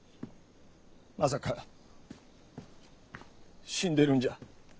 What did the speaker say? まさか死んでるんじゃ。